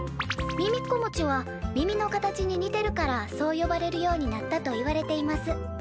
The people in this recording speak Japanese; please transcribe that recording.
『みみっこもち』は耳の形に似てるからそう呼ばれるようになったといわれています」。